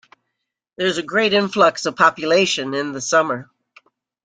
There is a great influx of population in the summer.